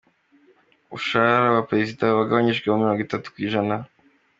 Umushahara wa Perezida wagabanyijweho Mirongo Itatu Kw’ijana